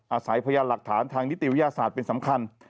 อาศัยพยานหลักฐานทางนิติวิทยาศาสตร์เป็นสำคัญ